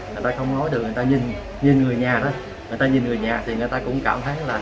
người ta không nói được người ta nhìn người nhà thôi người ta nhìn người nhà